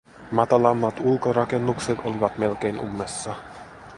Matalammat ulkorakennukset olivat melkein ummessa.